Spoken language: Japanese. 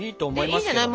いいんじゃない？